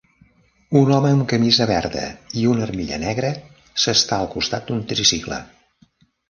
Un home amb camisa verda i una armilla negra s'està al costat d'un tricicle